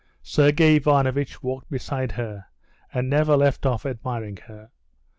Sergey Ivanovitch walked beside her, and never left off admiring her.